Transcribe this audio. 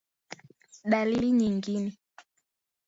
Dalili nyingine